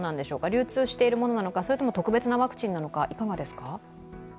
流通しているものなのか特別なワクチンなのかいかがですか？